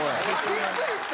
びっくりして。